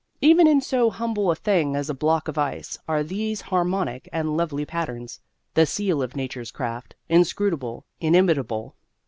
Even in so humble a thing as a block of ice are these harmonic and lovely patterns, the seal of Nature's craft, inscrutable, inimitable.